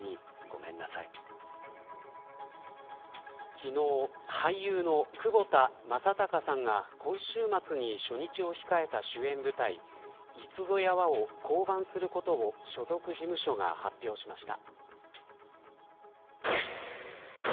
昨日、俳優の窪田正孝さんが今週末に初日を控えた主演舞台いつぞやは、を降板することを所属事務所が発表しました。